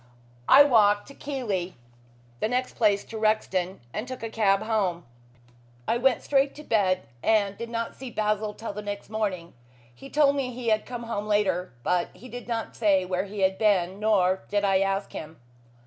I walked to Keighley, the next place to Rexton, and took a cab home. I went straight to bed, and did not see Basil till the next morning. He told me he had come home later, but he did not say where he had been, nor did I ask him."